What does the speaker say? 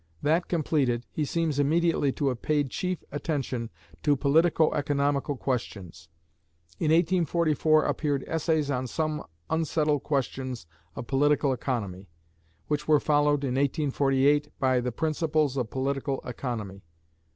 That completed, he seems immediately to have paid chief attention to politico economical questions. In 1844 appeared "Essays on Some Unsettled Questions of Political Economy," which were followed, in 1848, by the "Principles of Political Economy."